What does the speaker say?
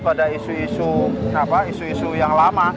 pada isu isu yang lama